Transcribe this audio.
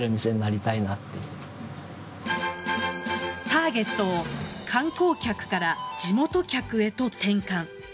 ターゲットを観光客から地元客へと転換。